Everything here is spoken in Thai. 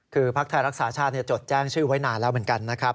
คือภักดิ์ไทยรักษาชาติจดแจ้งชื่อไว้นานแล้วเหมือนกันนะครับ